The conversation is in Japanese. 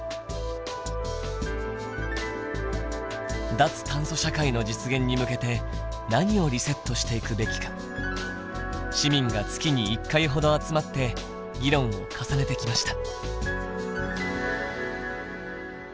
脱炭素社会の実現に向けて何をリセットしていくべきか市民が月に１回ほど集まって議論を重ねてきました。